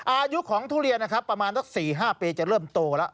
อายุของทุเรียนนะครับประมาณสัก๔๕ปีจะเริ่มโตแล้ว